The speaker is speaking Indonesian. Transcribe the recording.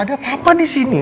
ada papa di sini